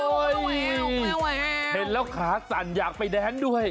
เห็นแล้วขาสั่นอยากไปแดนด้วย